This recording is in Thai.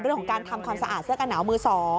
เรื่องของการทำความสะอาดเสื้อกับหนาวมือ๒